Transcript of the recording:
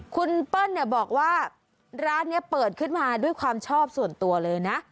คุณเปิ้ลบอกว่าร้านนี้เปิดขึ้นมาด้วยความชอบส่วนตัวเลยนะ